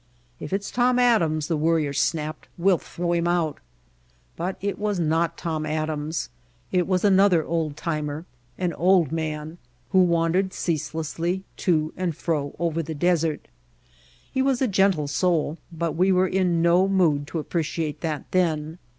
"If it's Tom Adams," the Worrier snapped, "we'll throw him out." But it was not Tom Adams. It was another old timer, an old man, who wandered cease lessly to and fro over the desert. He was a gentle soul, but we were in no mood to appreciate that then.